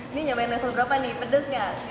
ini nyobain level berapa nih pedas nggak